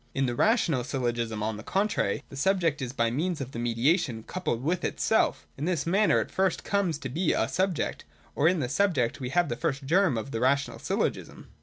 In the rational Syllogism, on the contrary, the subject is by means of the mediation coupled with itself. In this manner it first comes to be a subject : or, in the subject we have the first germ of the rational Syllogism.